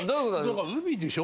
だから海でしょ。